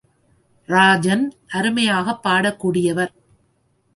ராஜன் அருமையாகப் பாடக் கூடியவர்.